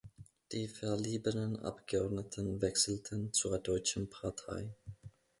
Die verbliebenen Abgeordneten wechselten zur Deutschen Partei.